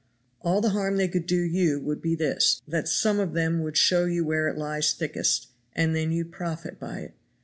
All the harm they could do you would be this, that some of them would show you where it lies thickest, and then you'd profit by it.